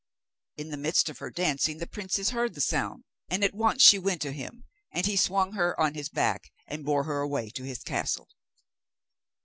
In the midst of her dancing the princess heard the sound, and at once she went to him, and he swung her on his back and bore her away to his castle.